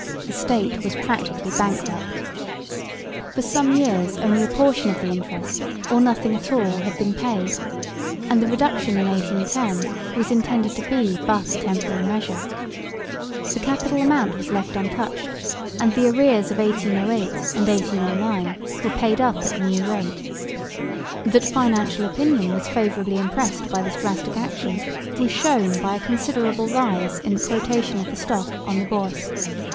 The State was practically bankrupt. For some years only a portion of the interest or nothing at all had been paid; and the reduction in 1810 was intended to be but a temporary measure. The capital amount was left untouched, and the arrears of 1808 and 1809 were paid up at the new rate. That financial opinion was favourably impressed by this drastic action was shown by a considerable rise in the quotation of the Stock on the Bourse.